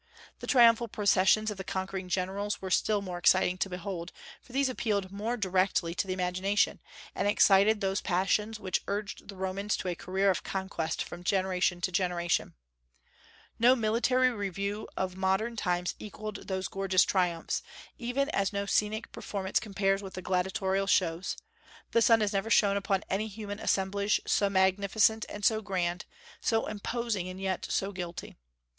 The triumphal processions of the conquering generals were still more exciting to behold, for these appealed more directly to the imagination, and excited those passions which urged the Romans to a career of conquest from generation to generation. No military review of modern times equalled those gorgeous triumphs, even as no scenic performance compares with the gladiatorial shows; the sun has never shone upon any human assemblage so magnificent and so grand, so imposing and yet so guilty.